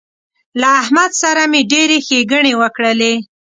له احمد سره مې ډېرې ښېګڼې وکړلې